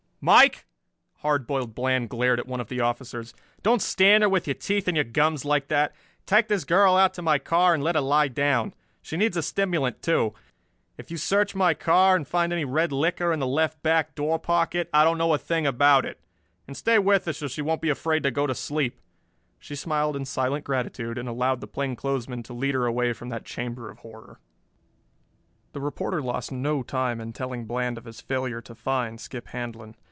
"Mike!" Hard Boiled Bland glared at one of the officers. "Don't stand there with your teeth in your gums like that. Take this girl out to my car and let her lie down. She needs a stimulant, too. If you search my car and find any red liquor in the left back door pocket, I don't know a thing about it. And stay with her so she won't be afraid to go to sleep." She smiled in silent gratitude and allowed the plainclothesman to lead her away from that chamber of horror. The reporter lost no time in telling Bland of his failure to find Skip Handlon.